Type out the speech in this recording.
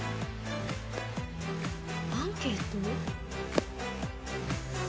アンケート？